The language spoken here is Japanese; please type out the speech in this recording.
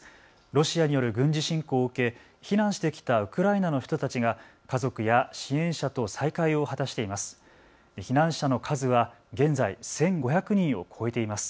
ロシアによる軍事侵攻を受け避難してきたウクライナの人たちが家族や支援者と再会を果たしています。